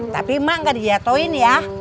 tapi mak nggak dijatuhin ya